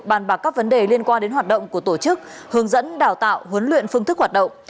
bàn bạc các vấn đề liên quan đến hoạt động của tổ chức hướng dẫn đào tạo huấn luyện phương thức hoạt động